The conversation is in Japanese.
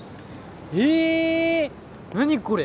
ええ何これ！？